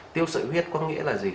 tiêu sợi huyết có nghĩa là gì